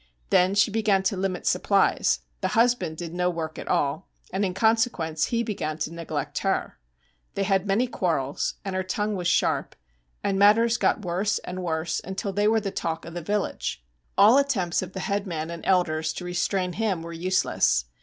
Then she began to limit supplies the husband did no work at all and in consequence he began to neglect her; they had many quarrels, and her tongue was sharp, and matters got worse and worse until they were the talk of the village. All attempts of the headman and elders to restrain him were useless.